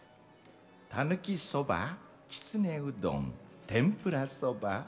たぬきそばきつねうどん、天ぷらそば。